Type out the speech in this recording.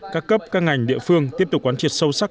các cấp các ngành địa phương tiếp tục quán triệt sâu sắc